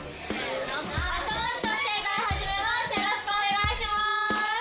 よろしくお願いします。